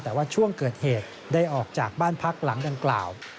แต่ว่าช่วงเกิดเหตุได้ออกจากบ้านพักหลังดังกล่าว